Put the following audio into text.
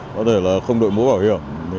có thể là không đôi mũ bảo hiểm